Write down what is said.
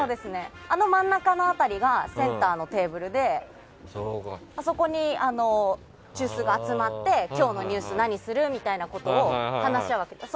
あの真ん中の辺りがセンターのテーブルであそこに中枢が集まって今日のニュース何する？みたいなことを話し合うわけです。